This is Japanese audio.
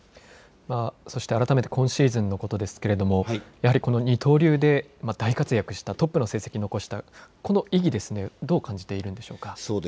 そして改めて今シーズンのことですけれども、やはり、この二刀流で大活躍したトップの成績を残した、この意義ですね、どう感じているんでしょうか。